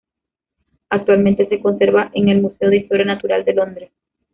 Actualmente se conserva en el Museo de Historia Natural de Londres.